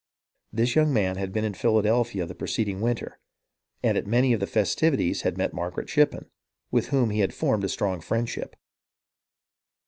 This young man had been in Philadelphia the preceding winter, and at many of the festivities had met Margaret Shippen, with whom he had formed a strong friendship.